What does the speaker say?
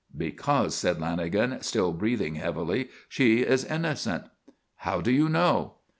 "Because," said Lanagan, still breathing heavily, "she is innocent." "How do you know?"